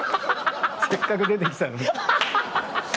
せっかく出て来たのに。